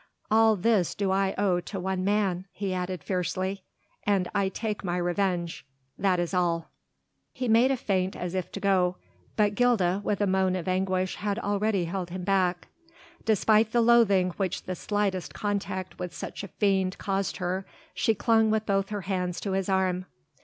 All this do I owe to one man," he added fiercely, "and I take my revenge, that is all." He made a feint as if ready to go. But Gilda with a moan of anguish had already held him back. Despite the loathing which the slightest contact with such a fiend caused her, she clung with both her hands to his arm.